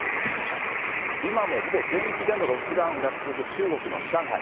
今もほぼ全域でのロックダウンが続く中国の上海。